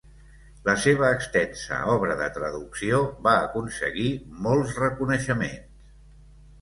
La seva extensa obra de traducció va aconseguir molts reconeixements.